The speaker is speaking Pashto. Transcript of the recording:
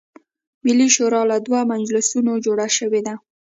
ملي شورا له دوه مجلسونو جوړه شوې ده.